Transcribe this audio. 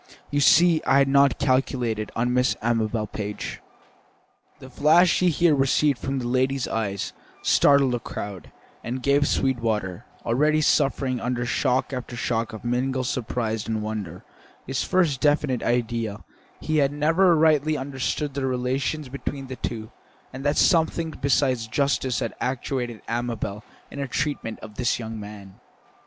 You see I had not calculated on Miss Amabel Page." The flash he here received from that lady's eyes startled the crowd, and gave Sweetwater, already suffering under shock after shock of mingled surprise and wonder, his first definite idea that he had never rightly understood the relations between these two, and that something besides justice had actuated Amabel in her treatment of this young man.